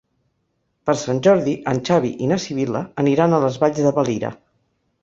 Per Sant Jordi en Xavi i na Sibil·la aniran a les Valls de Valira.